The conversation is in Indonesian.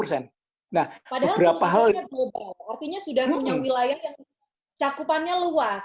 artinya sudah punya wilayah yang cakupannya luas